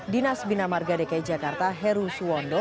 dinas binamarga dki jakarta heru suwondo